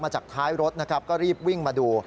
จากท้ายรถนะครับก็รีบวิ่งมาดู